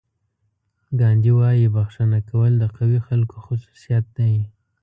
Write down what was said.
ګاندي وایي بښنه کول د قوي خلکو خصوصیت دی.